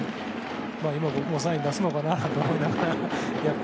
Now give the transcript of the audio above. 今、僕もサイン出すのかなと思いながら。